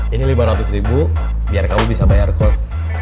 ini lima ratus ribu biar kamu bisa bayar cost